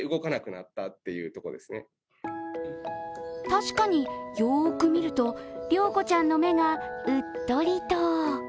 確かによく見ると、りょうこちゃんの目がうっとりと。